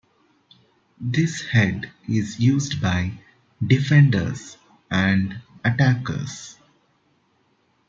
This head is used by 'defenders' and 'attackers'.